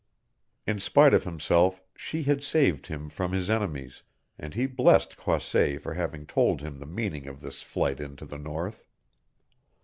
In spite of himself she had saved him from his enemies, and he blessed Croisset for having told him the meaning of this flight into the North.